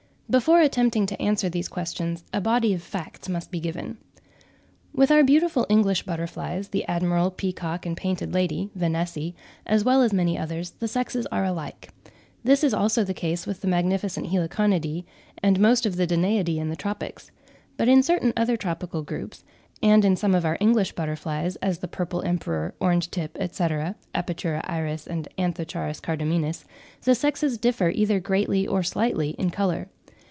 Before attempting to answer these questions a body of facts must be given. With our beautiful English butterflies, the admiral, peacock, and painted lady (Vanessae), as well as many others, the sexes are alike. This is also the case with the magnificent Heliconidae, and most of the Danaidae in the tropics. But in certain other tropical groups, and in some of our English butterflies, as the purple emperor, orange tip, etc. (Apatura Iris and Anthocharis cardamines), the sexes differ either greatly or slightly in colour.